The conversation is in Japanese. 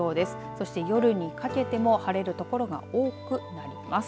そして夜にかけても晴れる所が多くなります。